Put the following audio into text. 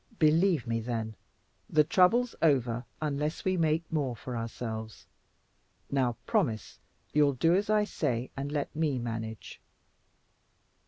Believe me, then, the trouble's over unless we make more for ourselves. Now, promise you'll do as I say and let me manage."